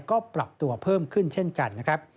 ก็ปรับตัวเพิ่มขึ้นเช่นกัน